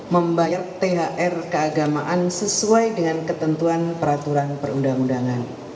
membayar thr keagamaan sesuai dengan ketentuan peraturan perundang undangan